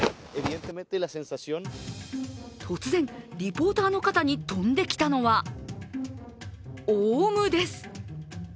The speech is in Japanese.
突然、リポーターの方に飛んできたのは、オウムです。